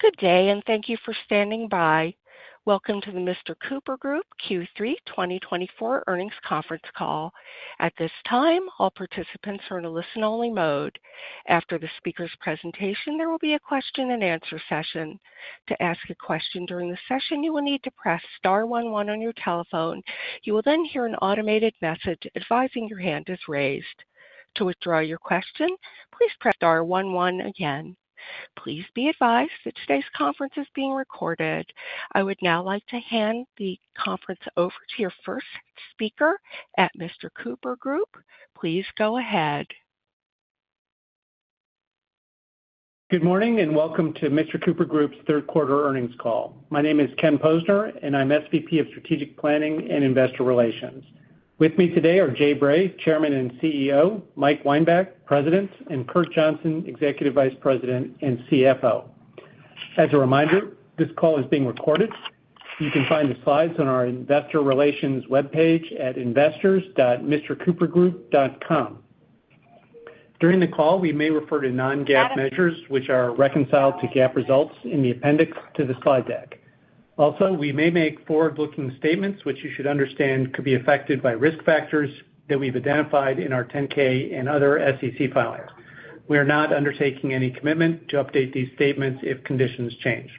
Good day, and thank you for standing by. Welcome to the Mr. Cooper Group Q3 2024 earnings conference call. At this time, all participants are in a listen-only mode. After the speaker's presentation, there will be a question-and-answer session. To ask a question during the session, you will need to press star one one on your telephone. You will then hear an automated message advising your hand is raised. To withdraw your question, please press star one one again. Please be advised that today's conference is being recorded. I would now like to hand the conference over to your first speaker at Mr. Cooper Group. Please go ahead. Good morning, and welcome to Mr. Cooper Group's third quarter earnings call. My name is Ken Posner, and I'm SVP of Strategic Planning and Investor Relations. With me today are Jay Bray, Chairman and CEO, Mike Weinbach, President, and Kurt Johnson, Executive Vice President and CFO. As a reminder, this call is being recorded. You can find the slides on our investor relations webpage at investors.mrcoopergroup.com. During the call, we may refer to non-GAAP measures, which are reconciled to GAAP results in the appendix to the slide deck. Also, we may make forward-looking statements, which you should understand could be affected by risk factors that we've identified in our 10-K and other SEC filings. We are not undertaking any commitment to update these statements if conditions change.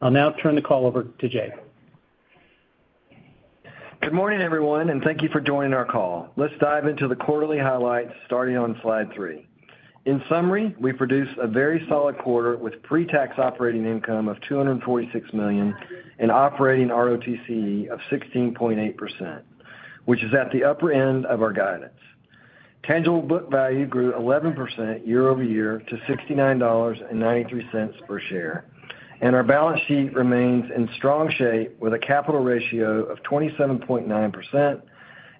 I'll now turn the call over to Jay. Good morning, everyone, and thank you for joining our call. Let's dive into the quarterly highlights, starting on slide three. In summary, we produced a very solid quarter with pre-tax operating income of $246 million and operating ROTCE of 16.8%, which is at the upper end of our guidance. Tangible book value grew 11% year over year to $69.93 per share, and our balance sheet remains in strong shape, with a capital ratio of 27.9%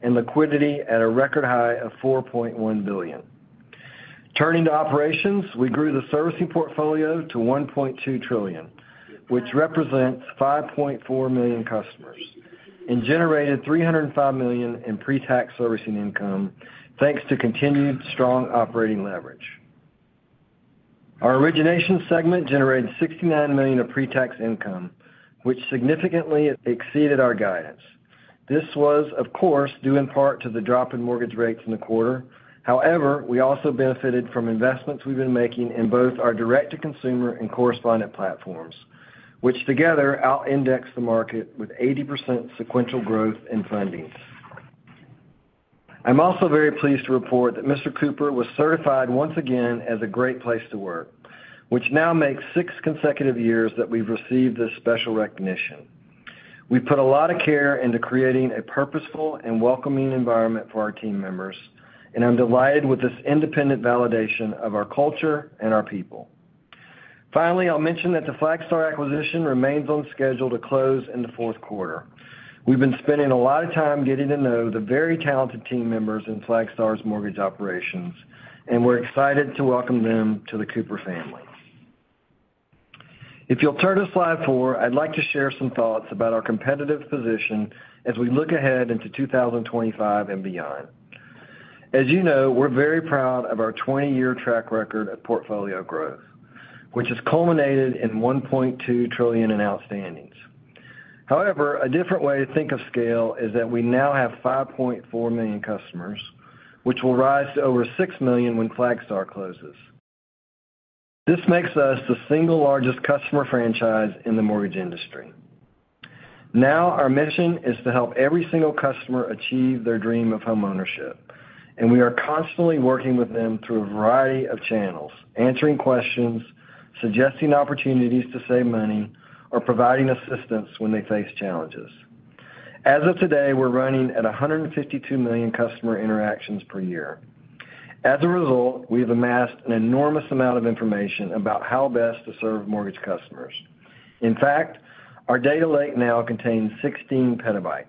and liquidity at a record high of $4.1 billion. Turning to operations, we grew the servicing portfolio to $1.2 trillion, which represents 5.4 million customers and generated $305 million in pre-tax servicing income, thanks to continued strong operating leverage. Our origination segment generated $69 million of pre-tax income, which significantly exceeded our guidance. This was, of course, due in part to the drop in mortgage rates in the quarter. However, we also benefited from investments we've been making in both our direct-to-consumer and correspondent platforms, which together out-index the market with 80% sequential growth in fundings. I'm also very pleased to report that Mr. Cooper was certified once again as a Great Place to Work, which now makes six consecutive years that we've received this special recognition. We've put a lot of care into creating a purposeful and welcoming environment for our team members, and I'm delighted with this independent validation of our culture and our people. Finally, I'll mention that the Flagstar acquisition remains on schedule to close in the fourth quarter. We've been spending a lot of time getting to know the very talented team members in Flagstar's mortgage operations, and we're excited to welcome them to the Cooper family. If you'll turn to slide four, I'd like to share some thoughts about our competitive position as we look ahead into 2025 and beyond. As you know, we're very proud of our 20-year track record of portfolio growth, which has culminated in 1.2 trillion in outstandings. However, a different way to think of scale is that we now have 5.4 million customers, which will rise to over 6 million when Flagstar closes. This makes us the single largest customer franchise in the mortgage industry. Now, our mission is to help every single customer achieve their dream of homeownership, and we are constantly working with them through a variety of channels, answering questions, suggesting opportunities to save money, or providing assistance when they face challenges. As of today, we're running at 152 million customer interactions per year. As a result, we have amassed an enormous amount of information about how best to serve mortgage customers. In fact, our data lake now contains 16 PB.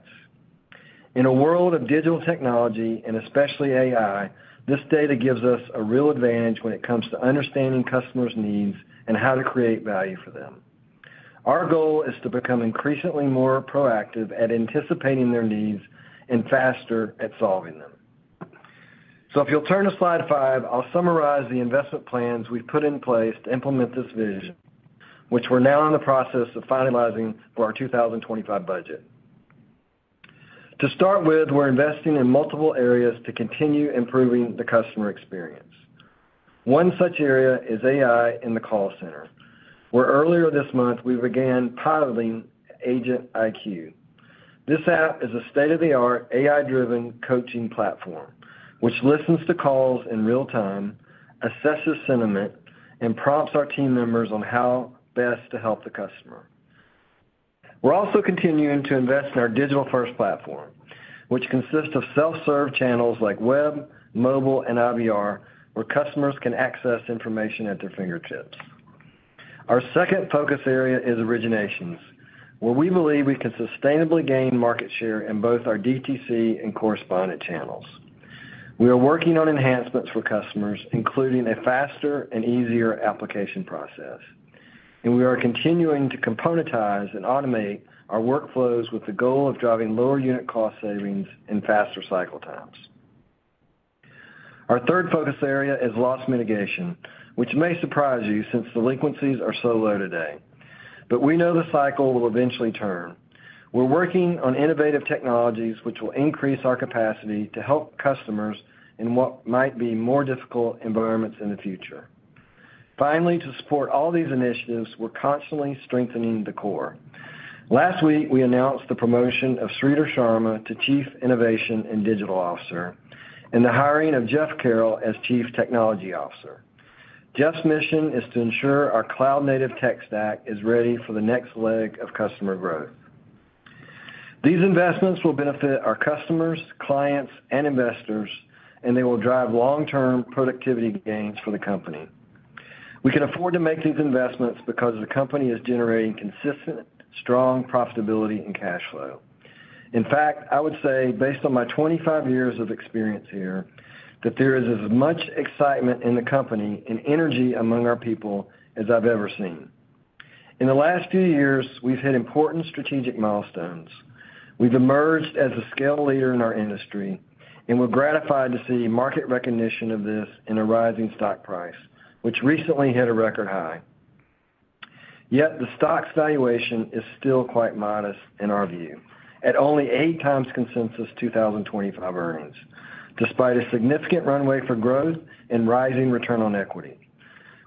In a world of digital technology, and especially AI, this data gives us a real advantage when it comes to understanding customers' needs and how to create value for them. Our goal is to become increasingly more proactive at anticipating their needs and faster at solving them. So if you'll turn to slide five, I'll summarize the investment plans we've put in place to implement this vision, which we're now in the process of finalizing for our 2025 budget. To start with, we're investing in multiple areas to continue improving the customer experience. One such area is AI in the call center, where earlier this month, we began piloting Agent IQ. This app is a state-of-the-art, AI-driven coaching platform, which listens to calls in real time, assesses sentiment, and prompts our team members on how best to help the customer. We're also continuing to invest in our digital-first platform, which consists of self-serve channels like web, mobile, and IVR, where customers can access information at their fingertips. Our second focus area is originations, where we believe we can sustainably gain market share in both our DTC and correspondent channels. We are working on enhancements for customers, including a faster and easier application process, and we are continuing to componentize and automate our workflows with the goal of driving lower unit cost savings and faster cycle times.... Our third focus area is loss mitigation, which may surprise you since delinquencies are so low today. But we know the cycle will eventually turn. We're working on innovative technologies, which will increase our capacity to help customers in what might be more difficult environments in the future. Finally, to support all these initiatives, we're constantly strengthening the core. Last week, we announced the promotion of Sridhar Sharma to Chief Innovation and Digital Officer, and the hiring of Jeff Carroll as Chief Technology Officer. Jeff's mission is to ensure our cloud-native tech stack is ready for the next leg of customer growth. These investments will benefit our customers, clients, and investors, and they will drive long-term productivity gains for the company. We can afford to make these investments because the company is generating consistent, strong profitability and cash flow. In fact, I would say, based on my 25 years of experience here, that there is as much excitement in the company and energy among our people as I've ever seen. In the last few years, we've hit important strategic milestones. We've emerged as a scale leader in our industry, and we're gratified to see market recognition of this in a rising stock price, which recently hit a record high. Yet the stock's valuation is still quite modest in our view, at only 8x consensus 2025 earnings, despite a significant runway for growth and rising return on equity.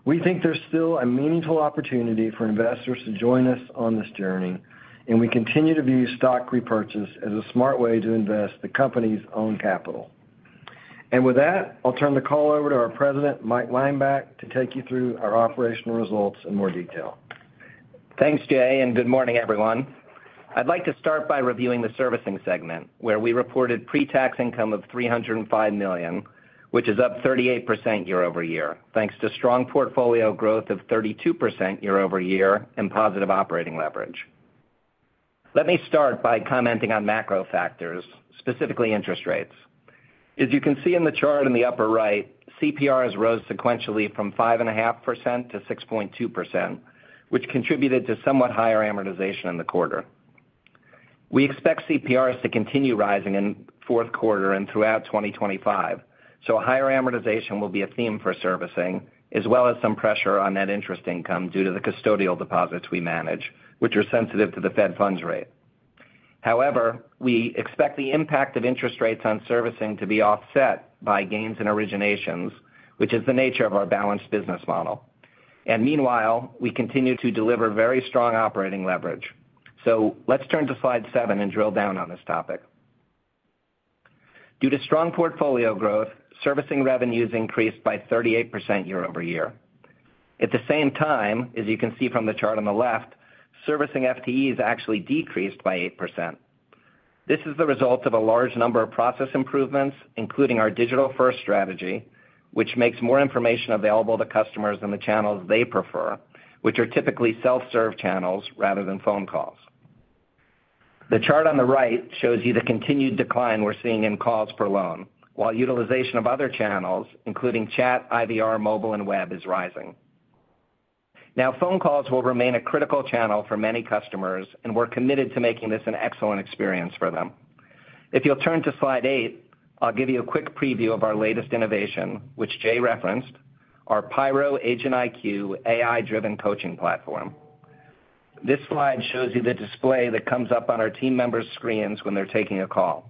We think there's still a meaningful opportunity for investors to join us on this journey, and we continue to view stock repurchase as a smart way to invest the company's own capital. With that, I'll turn the call over to our President, Mike Weinbach, to take you through our operational results in more detail. Thanks, Jay, and good morning, everyone. I'd like to start by reviewing the servicing segment, where we reported pre-tax income of $305 million, which is up 38% year over year, thanks to strong portfolio growth of 32% year over year and positive operating leverage. Let me start by commenting on macro factors, specifically interest rates. As you can see in the chart in the upper right, CPRs rose sequentially from 5.5% to 6.2%, which contributed to somewhat higher amortization in the quarter. We expect CPRs to continue rising in fourth quarter and throughout 2025, so a higher amortization will be a theme for servicing, as well as some pressure on net interest income due to the custodial deposits we manage, which are sensitive to the Fed funds rate. However, we expect the impact of interest rates on servicing to be offset by gains in originations, which is the nature of our balanced business model. And meanwhile, we continue to deliver very strong operating leverage. So let's turn to slide seven and drill down on this topic. Due to strong portfolio growth, servicing revenues increased by 38% year over year. At the same time, as you can see from the chart on the left, servicing FTEs actually decreased by 8%. This is the result of a large number of process improvements, including our digital-first strategy, which makes more information available to customers in the channels they prefer, which are typically self-serve channels rather than phone calls. The chart on the right shows you the continued decline we're seeing in calls per loan, while utilization of other channels, including chat, IVR, mobile, and web, is rising. Now, phone calls will remain a critical channel for many customers, and we're committed to making this an excellent experience for them. If you'll turn to slide eight, I'll give you a quick preview of our latest innovation, which Jay referenced, our Pyro Agent IQ AI-driven coaching platform. This slide shows you the display that comes up on our team members' screens when they're taking a call.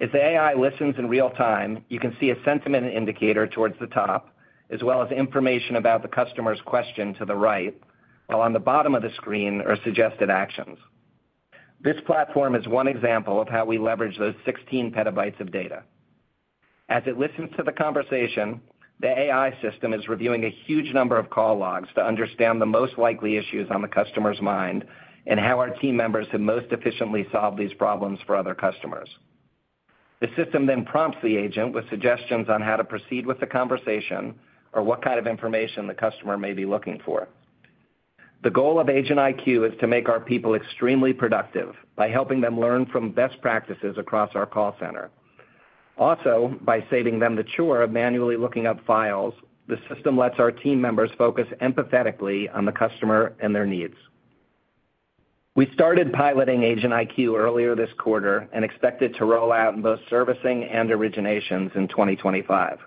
As the AI listens in real time, you can see a sentiment indicator towards the top, as well as information about the customer's question to the right, while on the bottom of the screen are suggested actions. This platform is one example of how we leverage those sixteen petabytes of data. As it listens to the conversation, the AI system is reviewing a huge number of call logs to understand the most likely issues on the customer's mind and how our team members have most efficiently solved these problems for other customers. The system then prompts the agent with suggestions on how to proceed with the conversation or what kind of information the customer may be looking for. The goal of Agent IQ is to make our people extremely productive by helping them learn from best practices across our call center. Also, by saving them the chore of manually looking up files, the system lets our team members focus empathetically on the customer and their needs. We started piloting Agent IQ earlier this quarter and expect it to roll out in both servicing and originations in 2025.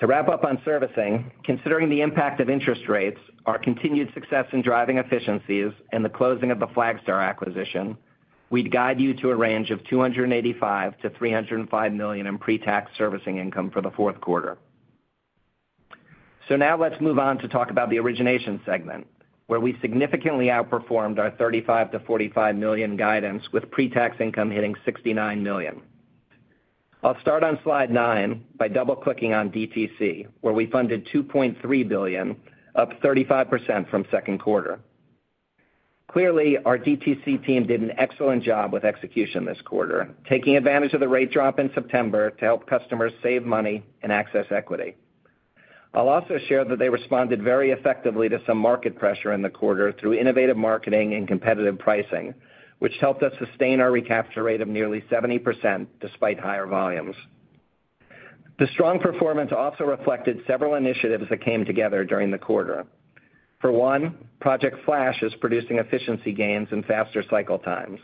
To wrap up on servicing, considering the impact of interest rates, our continued success in driving efficiencies, and the closing of the Flagstar acquisition, we'd guide you to a range of $285 million-$305 million in pre-tax servicing income for the fourth quarter. So now let's move on to talk about the origination segment, where we significantly outperformed our $35 million-$45 million guidance, with pre-tax income hitting $69 million. I'll start on slide nine by double-clicking on DTC, where we funded $2.3 billion, up 35% from second quarter. Clearly, our DTC team did an excellent job with execution this quarter, taking advantage of the rate drop in September to help customers save money and access equity. I'll also share that they responded very effectively to some market pressure in the quarter through innovative marketing and competitive pricing, which helped us sustain our recapture rate of nearly 70% despite higher volumes. The strong performance also reflected several initiatives that came together during the quarter. For one, Project Flash is producing efficiency gains and faster cycle times.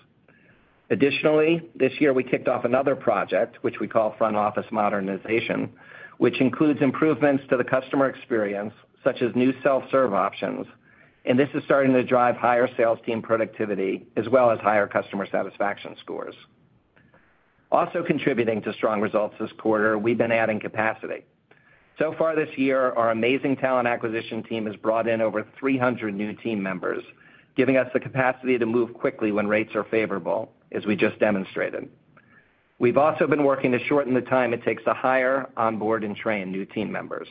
Additionally, this year, we kicked off another project, which we call Front Office Modernization, which includes improvements to the customer experience, such as new self-serve options, and this is starting to drive higher sales team productivity as well as higher customer satisfaction scores. Also contributing to strong results this quarter, we've been adding capacity. So far this year, our amazing talent acquisition team has brought in over 300 new team members, giving us the capacity to move quickly when rates are favorable, as we just demonstrated. We've also been working to shorten the time it takes to hire, onboard, and train new team members.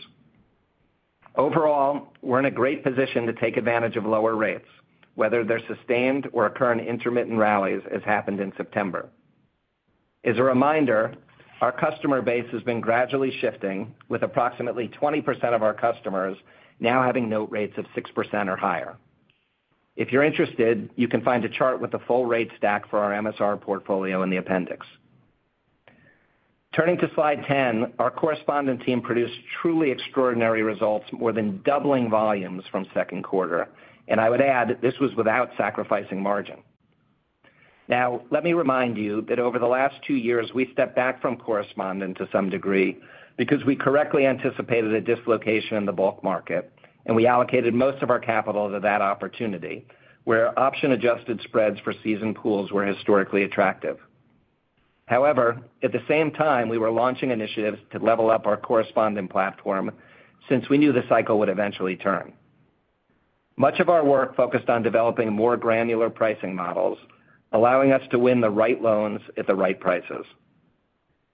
Overall, we're in a great position to take advantage of lower rates, whether they're sustained or occur in intermittent rallies, as happened in September. As a reminder, our customer base has been gradually shifting, with approximately 20% of our customers now having note rates of 6% or higher. If you're interested, you can find a chart with the full rate stack for our MSR portfolio in the appendix. Turning to slide 10, our correspondent team produced truly extraordinary results, more than doubling volumes from second quarter, and I would add, this was without sacrificing margin. Now, let me remind you that over the last two years, we stepped back from correspondent to some degree because we correctly anticipated a dislocation in the bulk market, and we allocated most of our capital to that opportunity, where option-adjusted spreads for seasoned pools were historically attractive. However, at the same time, we were launching initiatives to level up our correspondent platform since we knew the cycle would eventually turn. Much of our work focused on developing more granular pricing models, allowing us to win the right loans at the right prices.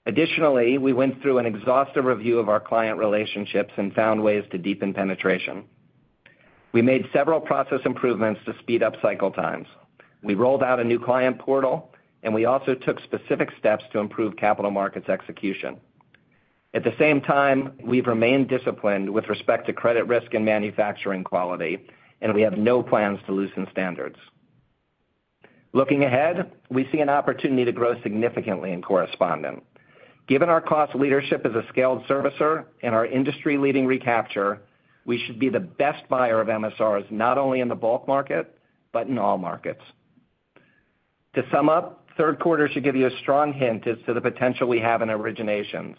Additionally, we went through an exhaustive review of our client relationships and found ways to deepen penetration. We made several process improvements to speed up cycle times. We rolled out a new client portal, and we also took specific steps to improve capital markets execution. At the same time, we've remained disciplined with respect to credit risk and manufacturing quality, and we have no plans to loosen standards. Looking ahead, we see an opportunity to grow significantly in correspondent. Given our cost leadership as a scaled servicer and our industry-leading recapture, we should be the best buyer of MSRs, not only in the bulk market, but in all markets. To sum up, third quarter should give you a strong hint as to the potential we have in originations.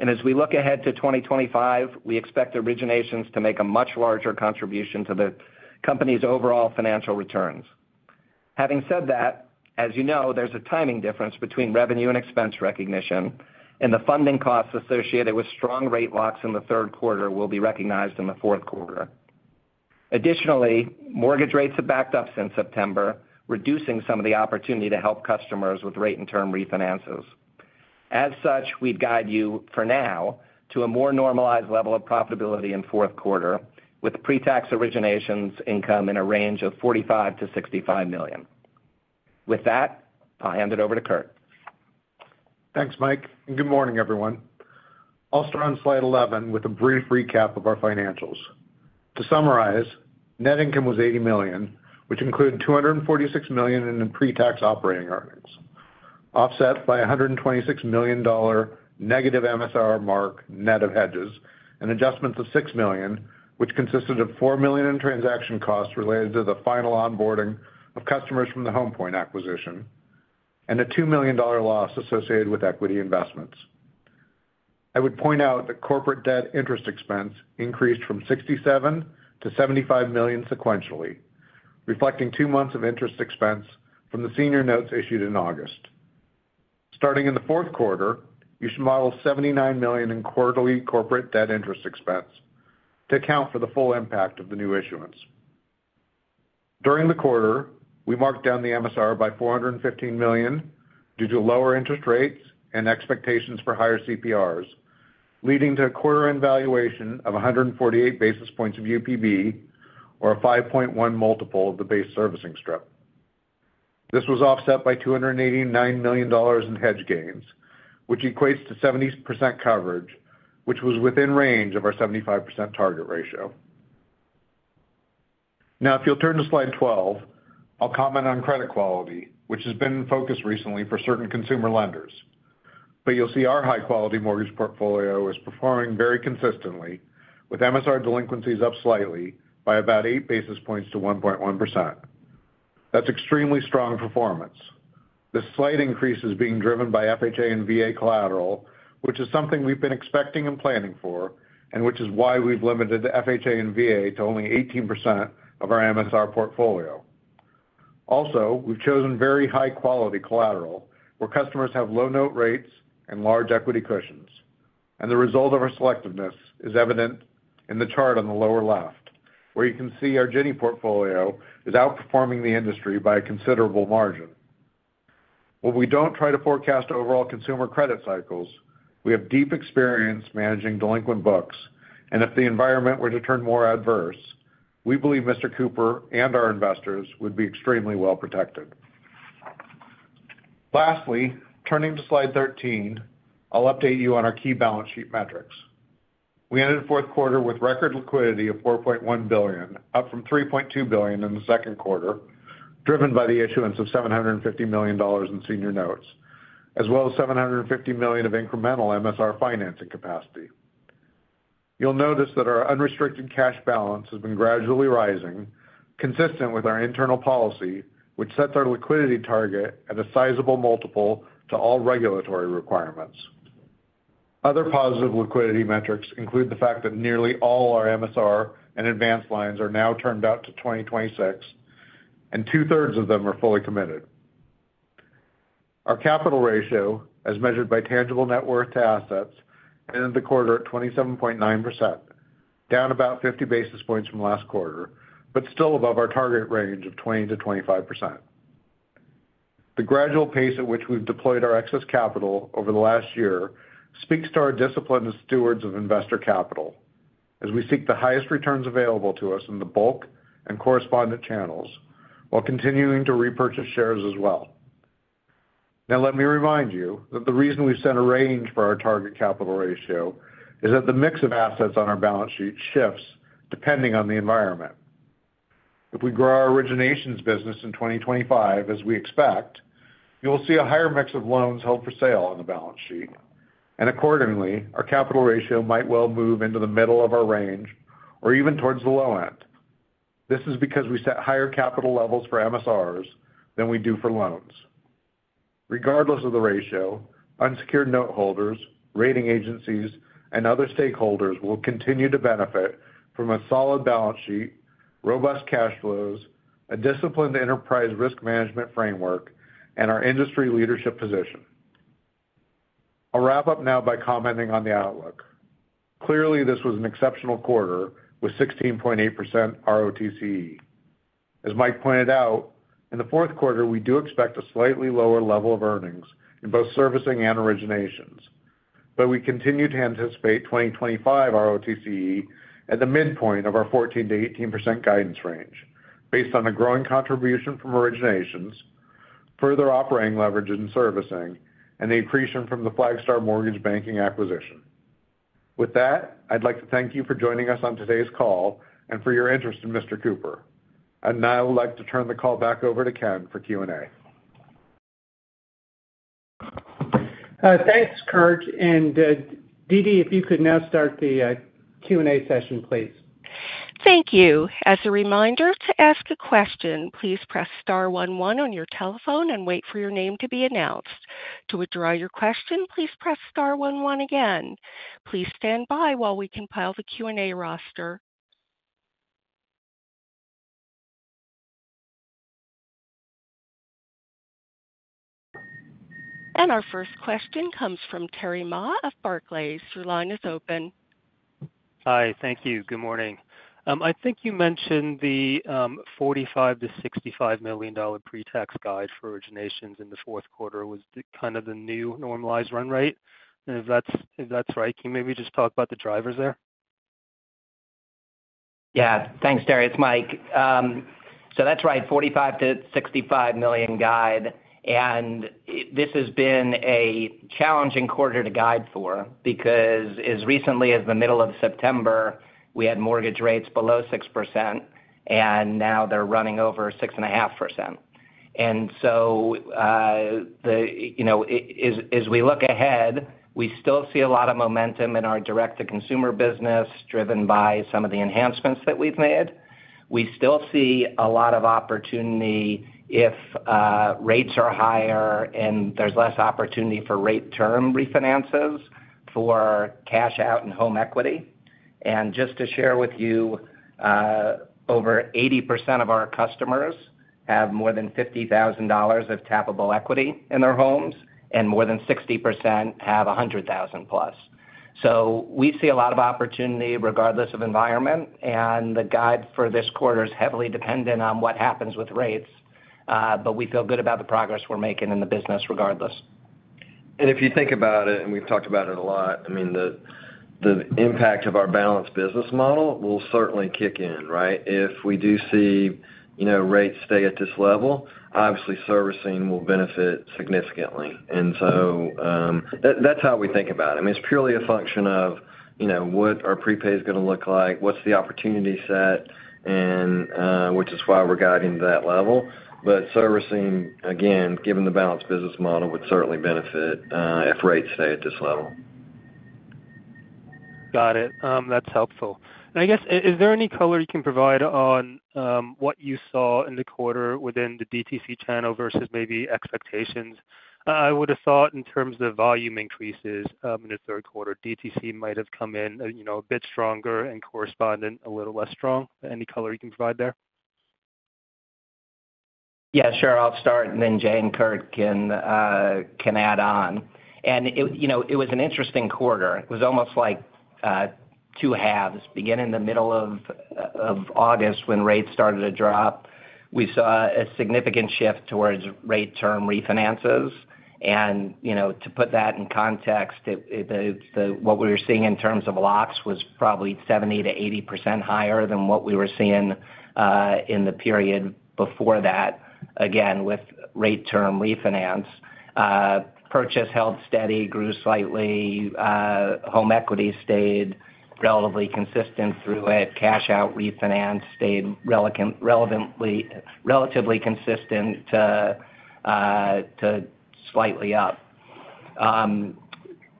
And as we look ahead to 2025, we expect originations to make a much larger contribution to the company's overall financial returns. Having said that, as you know, there's a timing difference between revenue and expense recognition, and the funding costs associated with strong rate locks in the third quarter will be recognized in the fourth quarter. Additionally, mortgage rates have backed up since September, reducing some of the opportunity to help customers with rate and term refinances. As such, we'd guide you, for now, to a more normalized level of profitability in fourth quarter, with pre-tax originations income in a range of $45 million-$65 million. With that, I'll hand it over to Kurt. Thanks, Mike, and good morning, everyone. I'll start on slide 11 with a brief recap of our financials. To summarize, net income was $80 million, which included $246 million in the pre-tax operating earnings, offset by a $126 million negative MSR mark net of hedges and adjustments of $6 million, which consisted of $4 million in transaction costs related to the final onboarding of customers from the Home Point acquisition, and a $2 million loss associated with equity investments. I would point out that corporate debt interest expense increased from $67 million to $75 million sequentially, reflecting two months of interest expense from the senior notes issued in August. Starting in the fourth quarter, you should model $79 million in quarterly corporate debt interest expense to account for the full impact of the new issuance. During the quarter, we marked down the MSR by $415 million due to lower interest rates and expectations for higher CPRs, leading to a quarter-end valuation of 148 basis points of UPB or a 5.1 multiple of the base servicing strip. This was offset by $289 million in hedge gains, which equates to 70% coverage, which was within range of our 75% target ratio. Now, if you'll turn to slide 12, I'll comment on credit quality, which has been in focus recently for certain consumer lenders. But you'll see our high-quality mortgage portfolio is performing very consistently, with MSR delinquencies up slightly by about eight basis points to 1.1%. That's extremely strong performance. This slight increase is being driven by FHA and VA collateral, which is something we've been expecting and planning for, and which is why we've limited FHA and VA to only 18% of our MSR portfolio. Also, we've chosen very high-quality collateral, where customers have low note rates and large equity cushions. The result of our selectiveness is evident in the chart on the lower left, where you can see our Ginnie portfolio is outperforming the industry by a considerable margin. While we don't try to forecast overall consumer credit cycles, we have deep experience managing delinquent books, and if the environment were to turn more adverse, we believe Mr. Cooper and our investors would be extremely well protected. Lastly, turning to slide 13, I'll update you on our key balance sheet metrics. We ended the fourth quarter with record liquidity of $4.1 billion, up from $3.2 billion in the second quarter, driven by the issuance of $750 million in senior notes, as well as $750 million of incremental MSR financing capacity. You'll notice that our unrestricted cash balance has been gradually rising, consistent with our internal policy, which sets our liquidity target at a sizable multiple to all regulatory requirements. Other positive liquidity metrics include the fact that nearly all our MSR and advance lines are now termed out to 2026, and 2/3 of them are fully committed. Our capital ratio, as measured by tangible net worth to assets, ended the quarter at 27.9%, down about 50 basis points from last quarter, but still above our target range of 20%-25%. The gradual pace at which we've deployed our excess capital over the last year speaks to our discipline as stewards of investor capital, as we seek the highest returns available to us in the bulk and correspondent channels, while continuing to repurchase shares as well. Now, let me remind you that the reason we set a range for our target capital ratio is that the mix of assets on our balance sheet shifts depending on the environment. If we grow our originations business in 2025, as we expect, you'll see a higher mix of loans held for sale on the balance sheet, and accordingly, our capital ratio might well move into the middle of our range or even towards the low end. This is because we set higher capital levels for MSRs than we do for loans. Regardless of the ratio, unsecured noteholders, rating agencies, and other stakeholders will continue to benefit from a solid balance sheet, robust cash flows, a disciplined enterprise risk management framework, and our industry leadership position. I'll wrap up now by commenting on the outlook. Clearly, this was an exceptional quarter with 16.8% ROTCE. As Mike pointed out, in the fourth quarter, we do expect a slightly lower level of earnings in both servicing and originations, but we continue to anticipate 2025 ROTCE at the midpoint of our 14%-18% guidance range, based on a growing contribution from originations, further operating leverage in servicing, and the accretion from the Flagstar mortgage banking acquisition. With that, I'd like to thank you for joining us on today's call and for your interest in Mr. Cooper. I'd now like to turn the call back over to Ken for Q&A. Thanks, Kurt, and, Didi, if you could now start the Q&A session, please. Thank you. As a reminder, to ask a question, please press star one one on your telephone and wait for your name to be announced. To withdraw your question, please press star one one again. Please stand by while we compile the Q&A roster. And our first question comes from Terry Ma of Barclays. Your line is open. Hi, thank you. Good morning. I think you mentioned the $45 million-$65 million pre-tax guide for originations in the fourth quarter was the kind of new normalized run rate. And if that's right, can you maybe just talk about the drivers there? Yeah. Thanks, Terry. It's Mike. So that's right, $45 million-$65 million guide. And this has been a challenging quarter to guide for, because as recently as the middle of September, we had mortgage rates below 6%, and now they're running over 6.5%. And so, as we look ahead, we still see a lot of momentum in our direct-to-consumer business, driven by some of the enhancements that we've made. We still see a lot of opportunity if rates are higher and there's less opportunity for rate term refinances for cash out and home equity. And just to share with you, over 80% of our customers have more than $50,000 of tappable equity in their homes, and more than 60% have $100,000+. So we see a lot of opportunity regardless of environment, and the guide for this quarter is heavily dependent on what happens with rates, but we feel good about the progress we're making in the business, regardless. If you think about it, and we've talked about it a lot, I mean, the impact of our balanced business model will certainly kick in, right? If we do see, you know, rates stay at this level, obviously, servicing will benefit significantly. And so, that's how we think about it. I mean, it's purely a function of, you know, what our prepay is going to look like, what's the opportunity set, and which is why we're guiding to that level. But servicing, again, given the balanced business model, would certainly benefit if rates stay at this level. Got it. That's helpful. And I guess, is there any color you can provide on, what you saw in the quarter within the DTC channel versus maybe expectations? I would have thought in terms of volume increases, in the third quarter, DTC might have come in, you know, a bit stronger and correspondent, a little less strong. Any color you can provide there? Yeah, sure. I'll start, and then Jay and Kurt can add on. And it, you know, it was an interesting quarter. It was almost like two halves. Beginning in the middle of August, when rates started to drop, we saw a significant shift towards rate term refinances. And, you know, to put that in context, what we were seeing in terms of locks was probably 70%-80% higher than what we were seeing in the period before that, again, with rate term refinance. Purchase held steady, grew slightly, home equity stayed relatively consistent through it. Cash out refinance stayed relatively consistent to slightly up.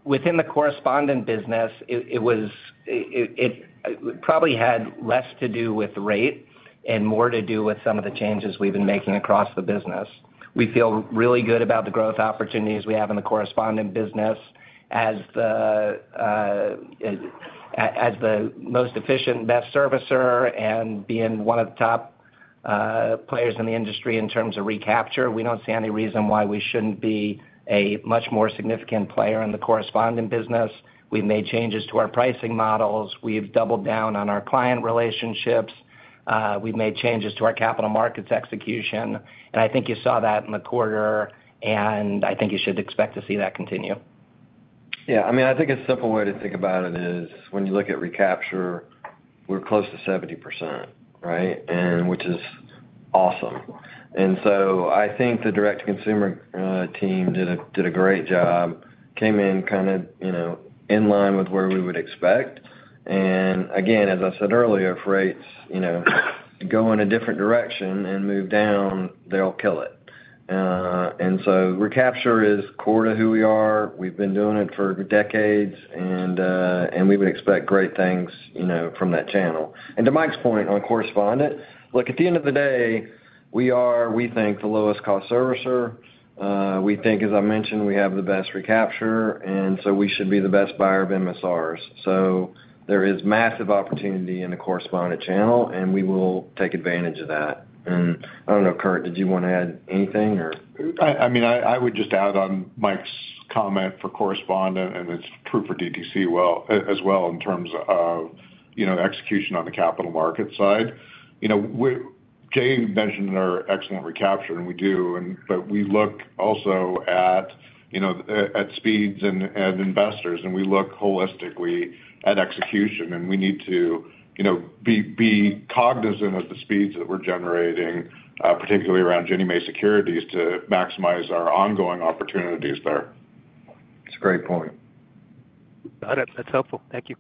Within the correspondent business, it probably had less to do with rate and more to do with some of the changes we've been making across the business. We feel really good about the growth opportunities we have in the correspondent business as the most efficient, best servicer, and being one of the top players in the industry in terms of recapture, we don't see any reason why we shouldn't be a much more significant player in the correspondent business. We've made changes to our pricing models. We've doubled down on our client relationships. We've made changes to our capital markets execution, and I think you saw that in the quarter, and I think you should expect to see that continue. Yeah, I mean, I think a simple way to think about it is, when you look at recapture, we're close to 70%, right? And which is awesome. So I think the direct consumer team did a great job, came in kind of, you know, in line with where we would expect. And again, as I said earlier, if rates, you know, go in a different direction and move down, they'll kill it. So recapture is core to who we are. We've been doing it for decades, and we would expect great things, you know, from that channel. And to Mike's point on correspondent, look, at the end of the day, we are, we think, the lowest cost servicer. We think, as I mentioned, we have the best recapture, and so we should be the best buyer of MSRs. So there is massive opportunity in the correspondent channel, and we will take advantage of that. And I don't know, Kurt, did you want to add anything, or? I mean, I would just add on Mike's comment for correspondent, and it's true for DTC well, as well, in terms of, you know, execution on the capital market side. You know, we, Jay mentioned in our excellent recapture, and we do, and but we look also at, you know, at speeds and investors, and we look holistically at execution, and we need to, you know, be cognizant of the speeds that we're generating, particularly around Ginnie Mae securities, to maximize our ongoing opportunities there. It's a great point. Got it. That's helpful. Thank you.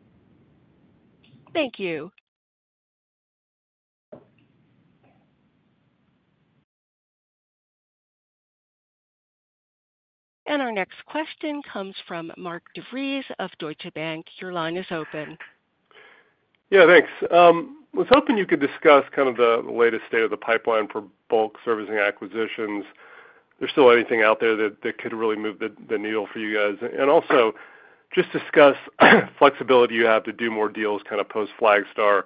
Thank you. And our next question comes from Mark DeVries of Deutsche Bank. Your line is open. Yeah, thanks. I was hoping you could discuss kind of the latest state of the pipeline for bulk servicing acquisitions. Is there still anything out there that could really move the needle for you guys? And also, just discuss flexibility you have to do more deals, kind of post Flagstar.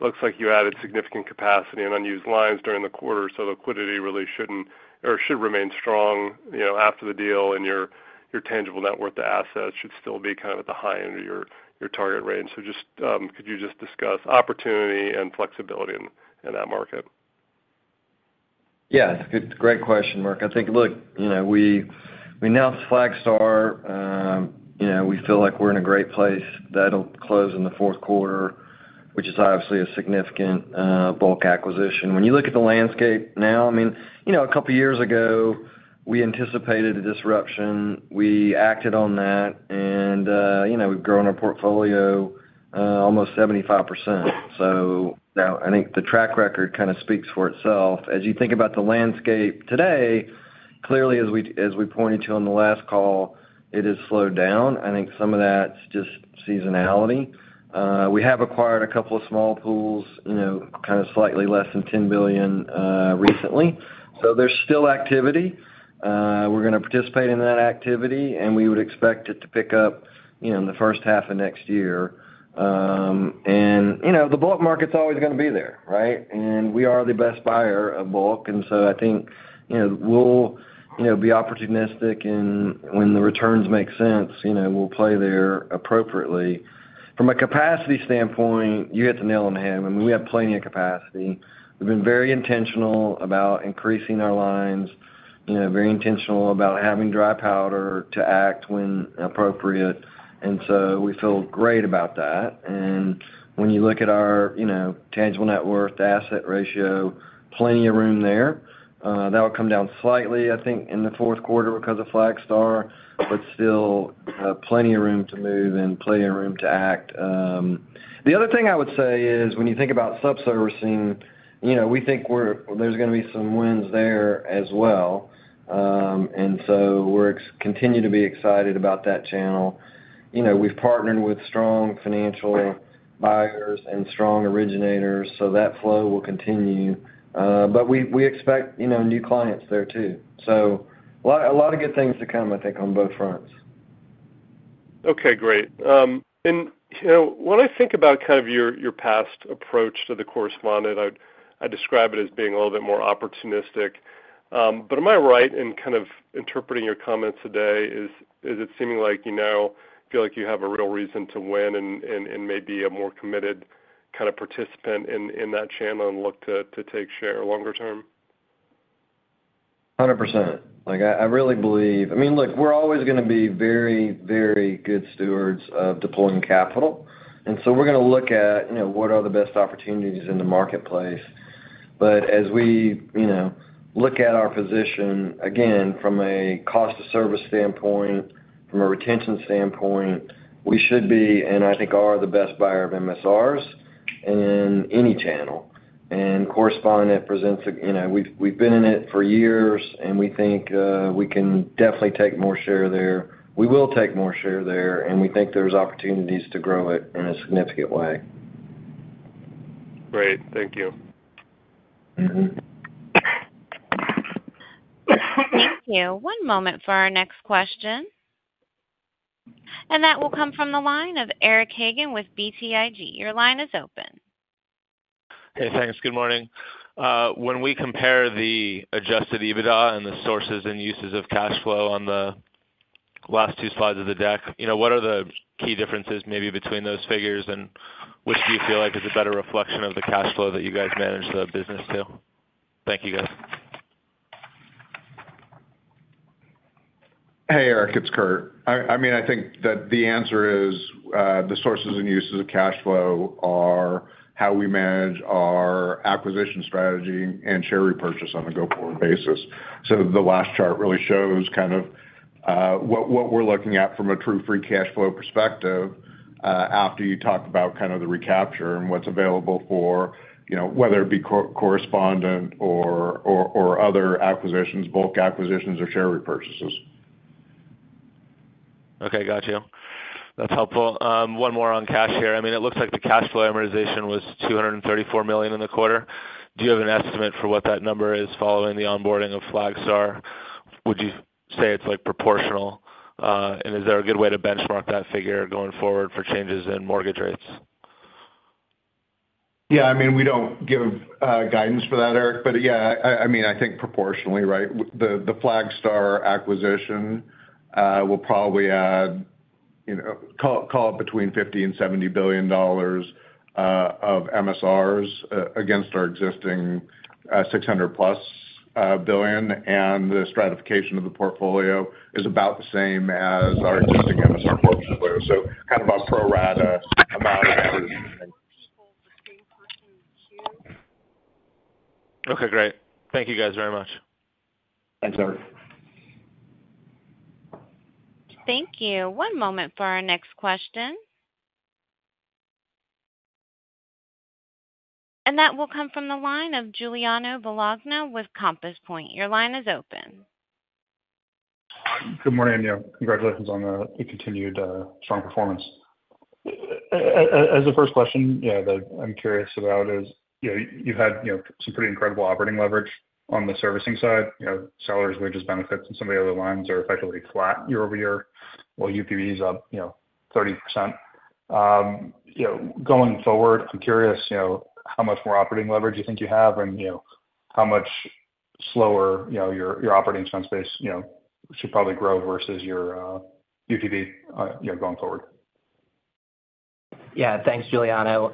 Looks like you added significant capacity and unused lines during the quarter, so liquidity really shouldn't or should remain strong, you know, after the deal, and your tangible net worth to assets should still be kind of at the high end of your target range. So just, could you just discuss opportunity and flexibility in that market? Yeah, it's a great question, Mark. I think, look, you know, we, we announced Flagstar. You know, we feel like we're in a great place. That'll close in the fourth quarter, which is obviously a significant bulk acquisition. When you look at the landscape now, I mean, you know, a couple of years ago, we anticipated a disruption. We acted on that, and you know, we've grown our portfolio almost 75%. So I think the track record kind of speaks for itself. As you think about the landscape today, clearly, as we, as we pointed to on the last call, it has slowed down. I think some of that's just seasonality. We have acquired a couple of small pools, you know, kind of slightly less than $10 billion recently. So there's still activity. We're going to participate in that activity, and we would expect it to pick up, you know, in the first half of next year, and, you know, the bulk market's always going to be there, right? And we are the best buyer of bulk, and so I think, you know, we'll, you know, be opportunistic, and when the returns make sense, you know, we'll play there appropriately. From a capacity standpoint, you hit the nail on the head. I mean, we have plenty of capacity. We've been very intentional about increasing our lines, you know, very intentional about having dry powder to act when appropriate, and so we feel great about that, and when you look at our, you know, tangible net worth to asset ratio, plenty of room there. That will come down slightly, I think, in the fourth quarter because of Flagstar, but still plenty of room to move and plenty of room to act. The other thing I would say is, when you think about sub-servicing, you know, we think there's going to be some wins there as well, and so we continue to be excited about that channel. You know, we've partnered with strong financial buyers and strong originators, so that flow will continue, but we expect, you know, new clients there, too, so a lot of good things to come, I think, on both fronts. Okay, great. And, you know, when I think about kind of your past approach to the correspondent, I describe it as being a little bit more opportunistic. But am I right in kind of interpreting your comments today? Is it seeming like you now feel like you have a real reason to win and may be a more committed kind of participant in that channel and look to take share longer term?... 100%. Like, I really believe- I mean, look, we're always going to be very, very good stewards of deploying capital, and so we're going to look at, you know, what are the best opportunities in the marketplace. But as we, you know, look at our position, again, from a cost of service standpoint, from a retention standpoint, we should be, and I think are, the best buyer of MSRs in any channel. And correspondent presents a, you know, we've been in it for years, and we think we can definitely take more share there. We will take more share there, and we think there's opportunities to grow it in a significant way. Great. Thank you. Mm-hmm. Thank you. One moment for our next question. And that will come from the line of Eric Hagen with BTIG. Your line is open. Hey, thanks. Good morning. When we compare the adjusted EBITDA and the sources and uses of cash flow on the last two slides of the deck, you know, what are the key differences maybe between those figures, and which do you feel like is a better reflection of the cash flow that you guys manage the business to? Thank you, guys. Hey, Eric, it's Kurt. I mean, I think that the answer is the sources and uses of cash flow are how we manage our acquisition strategy and share repurchase on a go-forward basis. So the last chart really shows kind of what we're looking at from a true free cash flow perspective, after you talk about kind of the recapture and what's available for, you know, whether it be correspondent or other acquisitions, bulk acquisitions, or share repurchases. Okay, got you. That's helpful. One more on cash here. I mean, it looks like the cash flow amortization was $234 million in the quarter. Do you have an estimate for what that number is following the onboarding of Flagstar? Would you say it's, like, proportional, and is there a good way to benchmark that figure going forward for changes in mortgage rates? Yeah, I mean, we don't give guidance for that, Eric. But, yeah, I mean, I think proportionally, right? The Flagstar acquisition will probably add, you know, call it between $50 billion and $70 billion of MSRs against our existing 600+ billion, and the stratification of the portfolio is about the same as our existing MSR portfolio. So kind of a pro rata amount of everything. Okay, great. Thank you, guys, very much. Thanks, Eric. Thank you. One moment for our next question, and that will come from the line of Giuliano Bologna with Compass Point. Your line is open. Good morning, yeah. Congratulations on the continued strong performance. As a first question, yeah, that I'm curious about is, you know, you've had, you know, some pretty incredible operating leverage on the servicing side. You know, salaries, wages, benefits, and some of the other lines are effectively flat year over year, while UPB is up, you know, 30%. You know, going forward, I'm curious, you know, how much more operating leverage you think you have, and, you know, how much slower, you know, your operating spend base, you know, should probably grow versus your UPB, you know, going forward? Yeah. Thanks, Giuliano.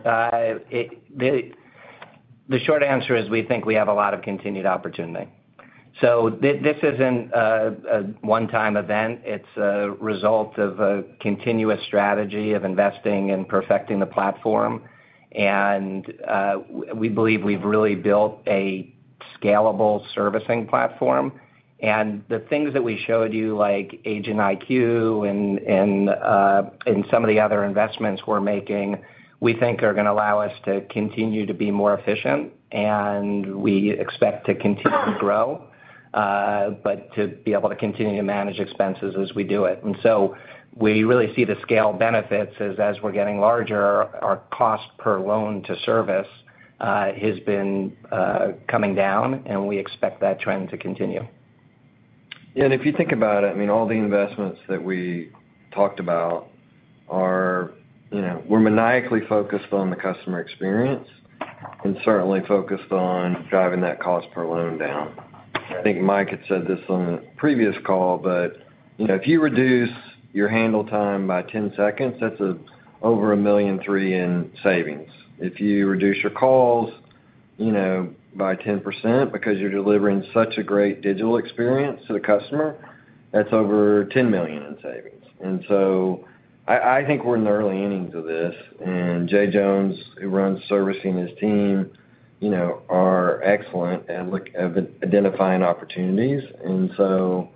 The short answer is we think we have a lot of continued opportunity. So this isn't a one-time event. It's a result of a continuous strategy of investing and perfecting the platform. And we believe we've really built a scalable servicing platform. And the things that we showed you, like Agent IQ and some of the other investments we're making, we think are going to allow us to continue to be more efficient, and we expect to continue to grow, but to be able to continue to manage expenses as we do it. And so we really see the scale benefits as we're getting larger, our cost per loan to service has been coming down, and we expect that trend to continue. And if you think about it, I mean, all the investments that we talked about are, you know, we're maniacally focused on the customer experience and certainly focused on driving that cost per loan down. I think Mike had said this on a previous call, but, you know, if you reduce your handle time by 10 seconds, that's over $1.3 million in savings. If you reduce your calls, you know, by 10% because you're delivering such a great digital experience to the customer, that's over $10 million in savings. And so I think we're in the early innings of this, and Jay Jones, who runs servicing, his team, you know, are excellent at looking at identifying opportunities. And so,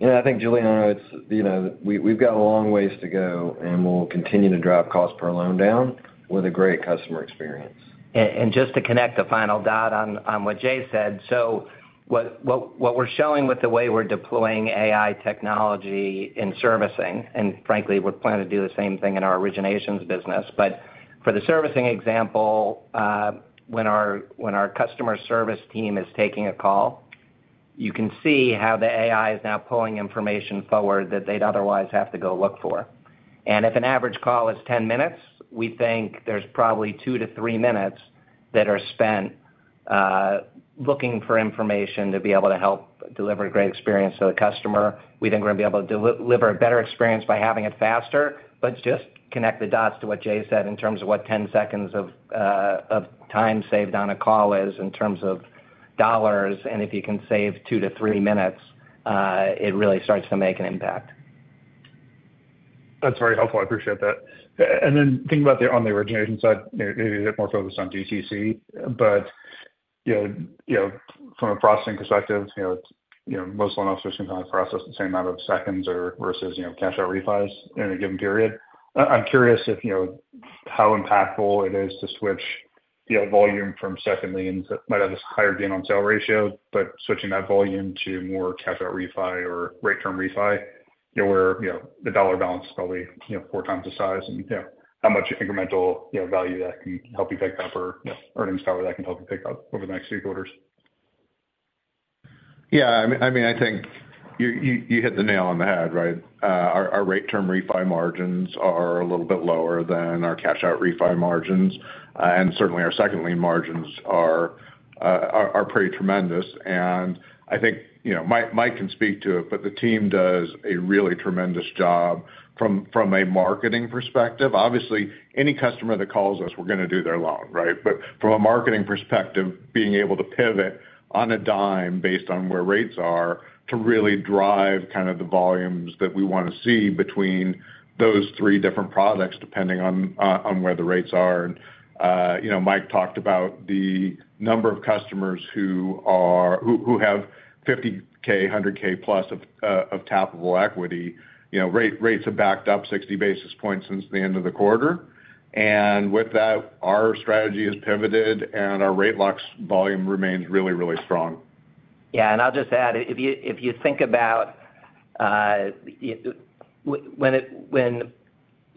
you know, I think, Giuliano, it's, you know, we've got a long ways to go, and we'll continue to drive cost per loan down with a great customer experience. And just to connect the final dot on what Jay said, so what we're showing with the way we're deploying AI technology in servicing, and frankly, we plan to do the same thing in our originations business. But for the servicing example, when our customer service team is taking a call, you can see how the AI is now pulling information forward that they'd otherwise have to go look for. And if an average call is 10 minutes, we think there's probably two to three minutes that are spent looking for information to be able to help deliver a great experience to the customer. We think we're going to be able to deliver a better experience by having it faster, but just connect the dots to what Jay said in terms of what ten seconds of time saved on a call is in terms of dollars, and if you can save two to three minutes, it really starts to make an impact.... That's very helpful. I appreciate that. And then thinking about the, on the origination side, you know, it is more focused on DTC, but, you know, you know, from a processing perspective, you know, you know, most loan officers can only process the same amount of seconds or versus, you know, cash out refis in a given period. I'm curious if, you know, how impactful it is to switch, you know, volume from second liens that might have a higher gain on sale ratio, but switching that volume to more cash out refi or rate term refi, you know, where, you know, the dollar balance is probably, you know, four times the size and, you know, how much incremental, you know, value that can help you pick up or, you know, earnings power that can help you pick up over the next few quarters? Yeah, I mean, I think you hit the nail on the head, right? Our rate term refi margins are a little bit lower than our cash out refi margins, and certainly our second lien margins are pretty tremendous. And I think, you know, Mike can speak to it, but the team does a really tremendous job from a marketing perspective. Obviously, any customer that calls us, we're going to do their loan, right? But from a marketing perspective, being able to pivot on a dime based on where rates are, to really drive kind of the volumes that we want to see between those three different products, depending on where the rates are. And, you know, Mike talked about the number of customers who have $50,000, $100,000+ of tappable equity. You know, rates have backed up 60 basis points since the end of the quarter, and with that, our strategy has pivoted, and our rate locks volume remains really, really strong. Yeah, and I'll just add, if you think about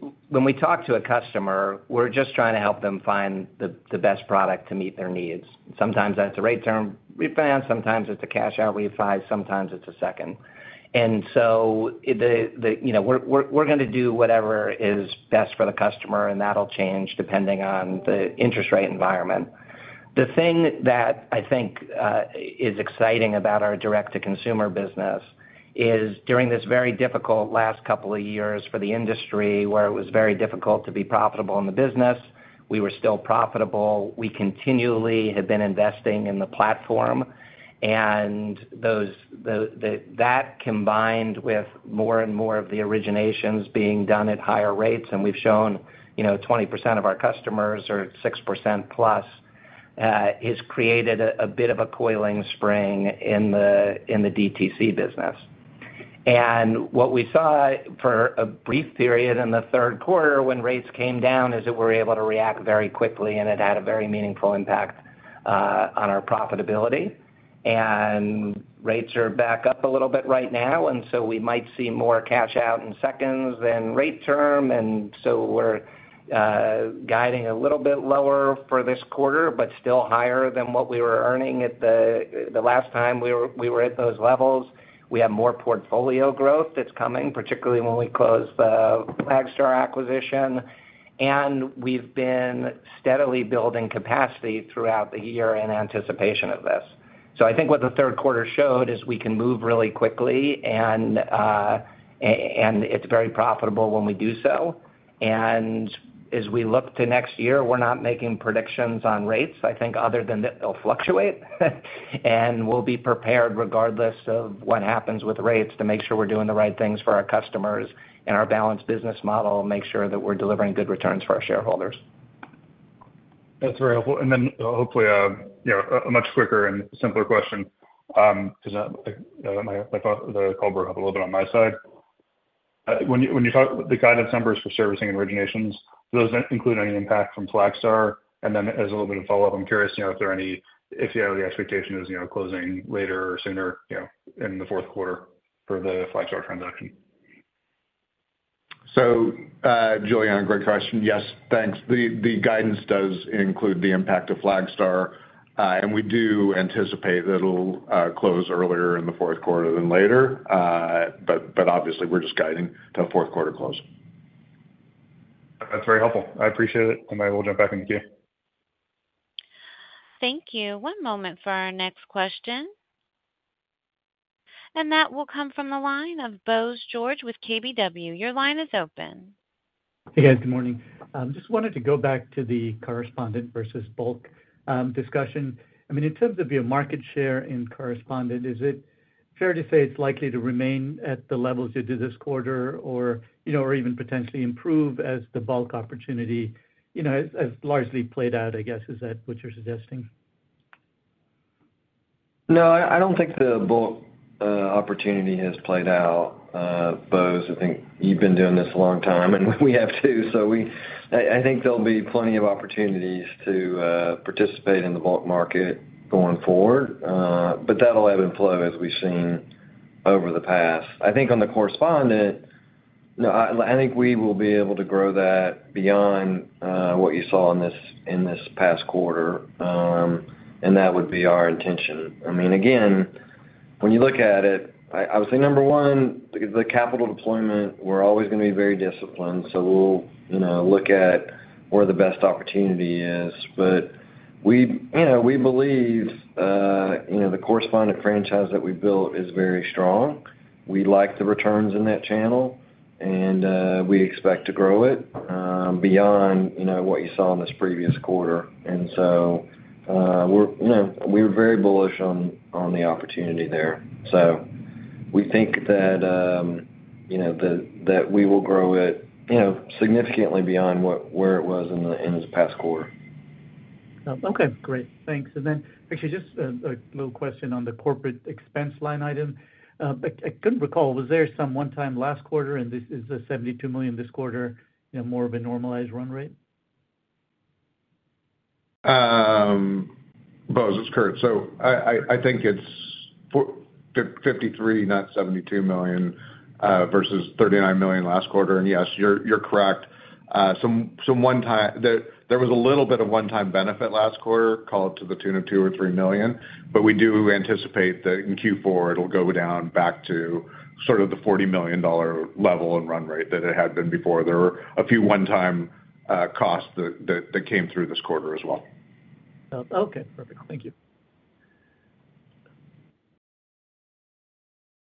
when we talk to a customer, we're just trying to help them find the best product to meet their needs. Sometimes that's a rate term refi, sometimes it's a cash out refi, sometimes it's a second. And so you know, we're going to do whatever is best for the customer, and that'll change depending on the interest rate environment. The thing that I think is exciting about our direct-to-consumer business is during this very difficult last couple of years for the industry, where it was very difficult to be profitable in the business, we were still profitable. We continually have been investing in the platform, and that combined with more and more of the originations being done at higher rates, and we've shown, you know, 20% of our customers are +6%, has created a bit of a coiling spring in the DTC business. And what we saw for a brief period in the third quarter, when rates came down, is that we're able to react very quickly, and it had a very meaningful impact on our profitability. And rates are back up a little bit right now, and so we might see more cash-out refinances than rate-term. And so we're guiding a little bit lower for this quarter, but still higher than what we were earning at the last time we were at those levels. We have more portfolio growth that's coming, particularly when we close the Flagstar acquisition, and we've been steadily building capacity throughout the year in anticipation of this. So I think what the third quarter showed is we can move really quickly, and it's very profitable when we do so. And as we look to next year, we're not making predictions on rates, I think, other than that they'll fluctuate. And we'll be prepared regardless of what happens with rates, to make sure we're doing the right things for our customers and our balanced business model, make sure that we're delivering good returns for our shareholders. That's very helpful. And then hopefully, you know, a much quicker and simpler question, because the call broke up a little bit on my side. When you talk the guidance numbers for servicing and originations, do those include any impact from Flagstar? And then as a little bit of follow-up, I'm curious, you know, if you have any expectations, you know, closing later or sooner, you know, in the fourth quarter for the Flagstar transaction? Giuliano, great question. Yes, thanks. The guidance does include the impact of Flagstar, and we do anticipate that it'll close earlier in the fourth quarter than later. But obviously, we're just guiding to a fourth quarter close. That's very helpful. I appreciate it, and I will jump back in the queue. Thank you. One moment for our next question. And that will come from the line of Bose George with KBW. Your line is open. Hey, guys. Good morning. Just wanted to go back to the correspondent versus bulk discussion. I mean, in terms of your market share in correspondent, is it fair to say it's likely to remain at the levels you did this quarter, or, you know, or even potentially improve as the bulk opportunity, you know, has largely played out, I guess. Is that what you're suggesting? No, I don't think the bulk opportunity has played out, Bose. I think you've been doing this a long time, and we have, too. So, I think there'll be plenty of opportunities to participate in the bulk market going forward, but that'll ebb and flow as we've seen over the past. I think on the correspondent, no, I think we will be able to grow that beyond what you saw in this past quarter. And that would be our intention. I mean, again, when you look at it, I would say, number one, the capital deployment, we're always going to be very disciplined, so we'll, you know, look at where the best opportunity is. But we, you know, we believe, you know, the correspondent franchise that we built is very strong. We like the returns in that channel, and we expect to grow it beyond, you know, what you saw in this previous quarter. And so, we're, you know, we're very bullish on the opportunity there. So we think that, you know, that we will grow it, you know, significantly beyond where it was in this past quarter.... Okay, great. Thanks, and then actually just a little question on the corporate expense line item. I couldn't recall, was there some one-time last quarter, and this is the $72 million this quarter, you know, more of a normalized run rate? Bose, it's Kurt. So I think it's $53 million, not $72 million, versus $39 million last quarter. And yes, you're correct. Some one-time, there was a little bit of one-time benefit last quarter, call it to the tune of $2 or $3 million. But we do anticipate that in Q4, it'll go down back to sort of the $40 million dollar level and run rate that it had been before. There were a few one-time costs that came through this quarter as well. Oh, okay, perfect. Thank you.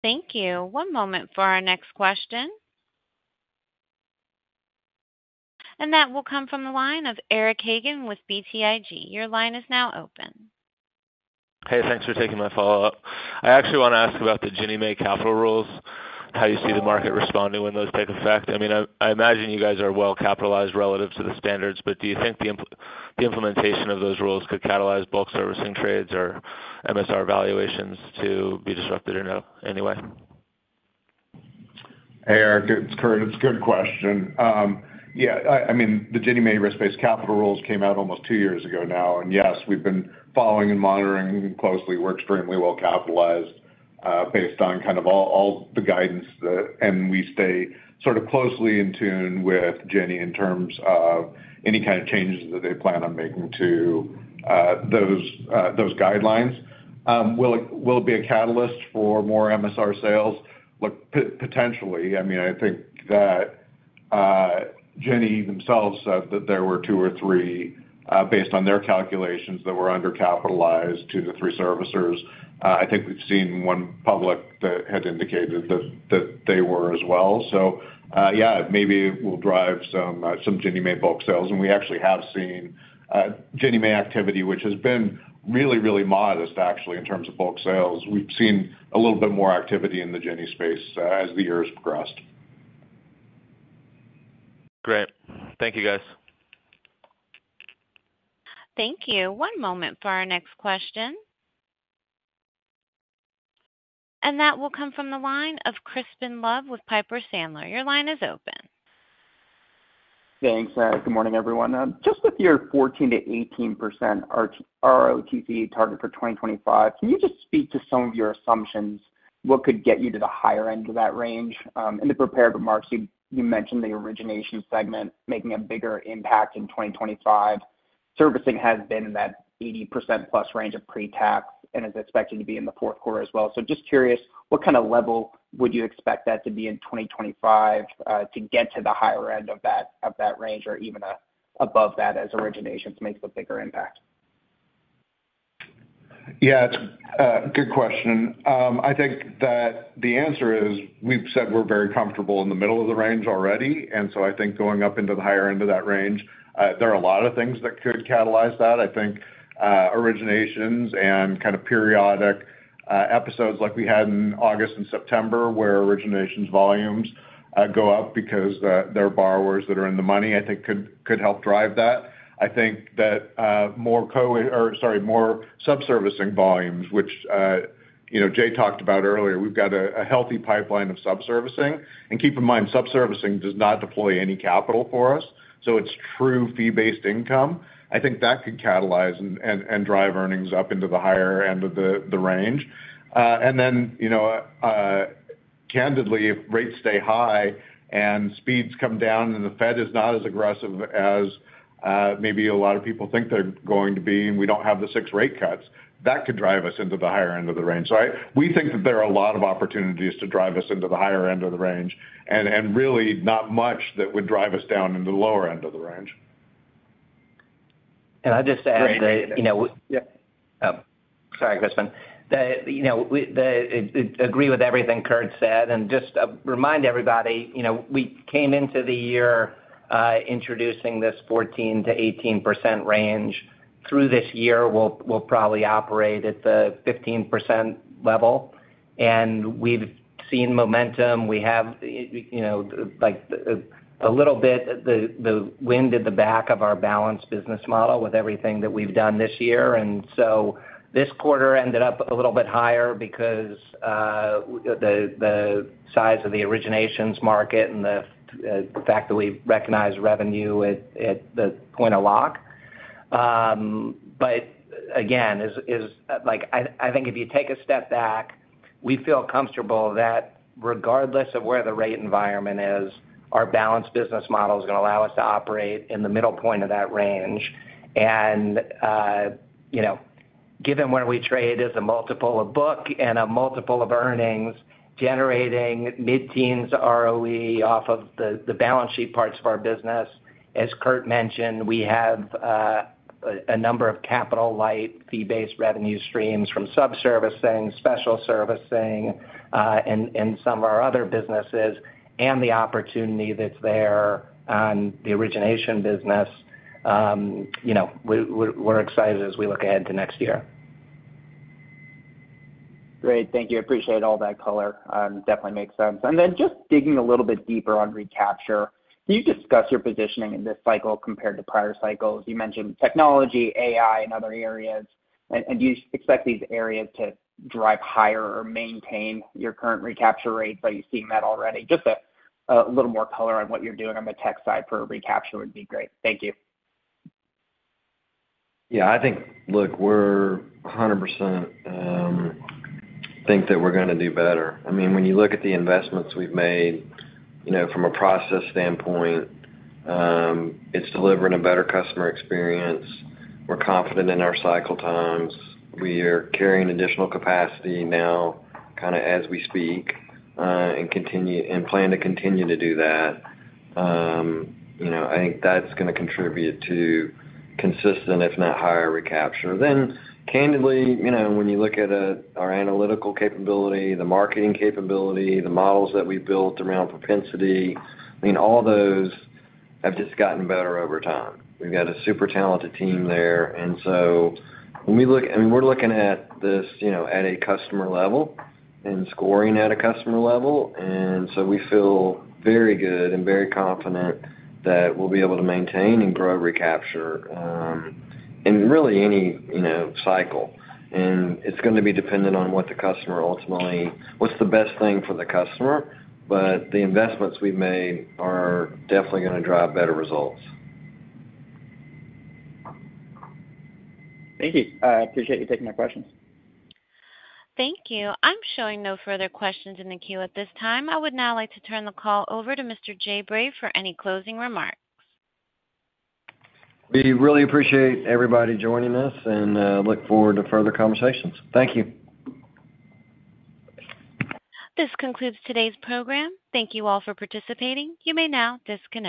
Thank you. One moment for our next question. And that will come from the line of Eric Hagen with BTIG. Your line is now open. Hey, thanks for taking my follow-up. I actually want to ask about the Ginnie Mae capital rules, how you see the market responding when those take effect. I mean, I imagine you guys are well capitalized relative to the standards, but do you think the implementation of those rules could catalyze bulk servicing trades or MSR valuations to be disrupted or no, anyway? Hey, Eric, it's Kurt. It's a good question. Yeah, I mean, the Ginnie Mae risk-based capital rules came out almost two years ago now. And yes, we've been following and monitoring closely. We're extremely well capitalized, based on all the guidance and we stay sort of closely in tune with Ginnie in terms of any kind of changes that they plan on making to those guidelines. Will it be a catalyst for more MSR sales? Look, potentially. I mean, I think that Ginnie themselves said that there were two or three, based on their calculations, that were undercapitalized, two to three servicers. I think we've seen one public that has indicated that they were as well. So, yeah, maybe we'll drive some Ginnie Mae bulk sales. We actually have seen Ginnie Mae activity, which has been really, really modest, actually, in terms of bulk sales. We've seen a little bit more activity in the Ginnie space as the years progressed. Great. Thank you, guys. Thank you. One moment for our next question, and that will come from the line of Crispin Love with Piper Sandler. Your line is open. Thanks. Good morning, everyone. Just with your 14%-18% ROTCE target for 2025, can you just speak to some of your assumptions? What could get you to the higher end of that range? In the prepared remarks, you mentioned the origination segment making a bigger impact in 2025. Servicing has been in that +80% range of pre-tax and is expecting to be in the fourth quarter as well. So just curious, what kind of level would you expect that to be in 2025, to get to the higher end of that range or even above that as origination makes a bigger impact? Yeah, it's a good question. I think that the answer is, we've said we're very comfortable in the middle of the range already, and so I think going up into the higher end of that range, there are a lot of things that could catalyze that. I think, originations and kind of periodic episodes like we had in August and September, where originations volumes go up because there are borrowers that are in the money, I think could help drive that. I think that, more subservicing volumes, which, you know, Jay talked about earlier. We've got a healthy pipeline of subservicing. And keep in mind, subservicing does not deploy any capital for us, so it's true fee-based income. I think that could catalyze and drive earnings up into the higher end of the range, and then, you know, candidly, if rates stay high and speeds come down, and the Fed is not as aggressive as maybe a lot of people think they're going to be, and we don't have the six rate cuts, that could drive us into the higher end of the range, so we think that there are a lot of opportunities to drive us into the higher end of the range, and really not much that would drive us down in the lower end of the range. Can I just add that, you know- Yeah. Oh, sorry, Crispin. That, you know, we agree with everything Kurt said, and just remind everybody, you know, we came into the year introducing this 14%-18% range. Through this year, we'll probably operate at the 15% level, and we've seen momentum. We have, you know, like, a little bit, the wind at the back of our balanced business model with everything that we've done this year. And so this quarter ended up a little bit higher because the size of the originations market and the fact that we recognize revenue at the point of lock. But again, like I think if you take a step back, we feel comfortable that regardless of where the rate environment is, our balanced business model is going to allow us to operate in the middle point of that range. You know, given where we trade as a multiple of book and a multiple of earnings, generating mid-teens ROE off of the balance sheet parts of our business, as Kurt mentioned, we have a number of capital-light, fee-based revenue streams from subservicing, special servicing, and some of our other businesses, and the opportunity that's there on the origination business. You know, we're excited as we look ahead to next year. ... Great. Thank you. I appreciate all that color, definitely makes sense. And then just digging a little bit deeper on recapture, can you discuss your positioning in this cycle compared to prior cycles? You mentioned technology, AI, and other areas. And do you expect these areas to drive higher or maintain your current recapture rates? Are you seeing that already? Just a little more color on what you're doing on the tech side for recapture would be great. Thank you. Yeah, I think, look, we're 100%, think that we're gonna do better. I mean, when you look at the investments we've made, you know, from a process standpoint, it's delivering a better customer experience. We're confident in our cycle times. We are carrying additional capacity now, kind of as we speak, and plan to continue to do that. You know, I think that's gonna contribute to consistent, if not higher, recapture. Then candidly, you know, when you look at our analytical capability, the marketing capability, the models that we've built around propensity, I mean, all those have just gotten better over time. We've got a super talented team there. And so when we look... We're looking at this, you know, at a customer level and scoring at a customer level, and so we feel very good and very confident that we'll be able to maintain and grow recapture in really any, you know, cycle. It's gonna be dependent on what the customer ultimately, what's the best thing for the customer, but the investments we've made are definitely gonna drive better results. Thank you. I appreciate you taking my questions. Thank you. I'm showing no further questions in the queue at this time. I would now like to turn the call over to Mr. Jay Bray for any closing remarks. We really appreciate everybody joining us and, look forward to further conversations. Thank you. This concludes today's program. Thank you all for participating. You may now disconnect.